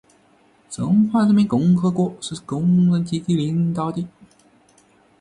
中华人民共和国是工人阶级领导的